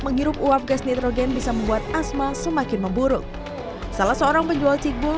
menghirup uap gas nitrogen bisa membuat asma semakin memburuk salah seorang penjual cikbul